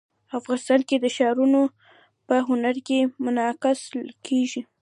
افغانستان کې ښارونه په هنر کې منعکس کېږي.